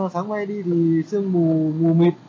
sáng mai đi thì sương mù mịt